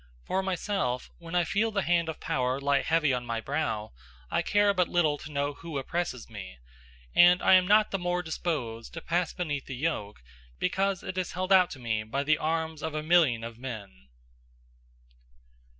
For myself, when I feel the hand of power lie heavy on my brow, I care but little to know who oppresses me; and I am not the more disposed to pass beneath the yoke, because it is held out to me by the arms of a million of men.